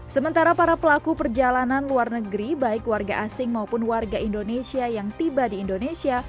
sementara para pelaku perjalanan luar negeri baik warga asing maupun warga indonesia yang tiba di indonesia